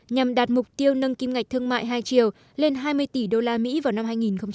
nhằm đạt mục tiêu nâng kim ngạch thương mại hai triệu lên hai mươi tỷ usd vào năm hai nghìn hai mươi